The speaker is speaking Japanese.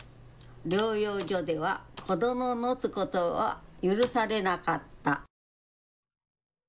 療養所では子どもを持つことは許されなかった。